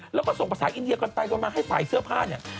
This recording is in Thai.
แล้วก็ส่งประสานอินเดียก่อนไปก่อนมาให้สายเสื้อผ้าเนี่ย